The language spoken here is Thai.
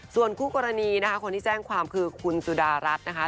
ส่วนคู่กรณีนะคะคนที่แจ้งความคือคุณสุดารัฐนะคะ